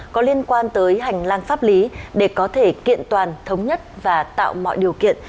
có liên quan tới hành lang pháp lý để có thể kiện toàn thống nhất và tạo mọi điều kiện